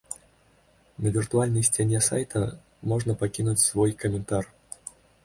На віртуальнай сцяне сайта можна пакінуць свой каментар.